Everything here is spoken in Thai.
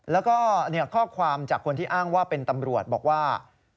แล้วก็ข้อความจากคนที่อ้างว่าเป็นตำรวจบอกว่า